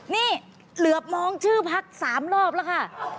นี่เหลือบมองชื่อพัก๓รอบแล้วค่ะ